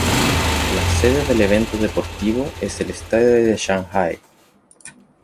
La sede del evento deportivo es el estadio de Shanghái.